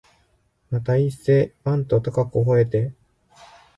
また一声、わん、と高く吠えて、